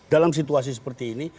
dalam situasi seperti ini